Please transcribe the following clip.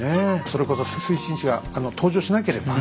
それこそ水心子が登場しなければ。